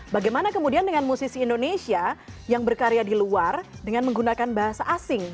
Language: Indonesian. bagaimana kemudian dengan musisi indonesia yang berkarya di luar dengan menggunakan bahasa asing